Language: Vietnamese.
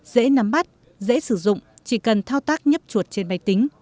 dễ nắm bắt dễ sử dụng chỉ cần thao tác nhấp chuột trên máy tính